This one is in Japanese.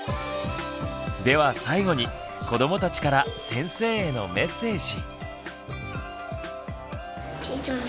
では最後に子どもたちから先生へのメッセージ。